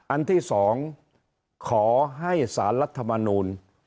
อันที่สองขอให้สารรัฐมนุน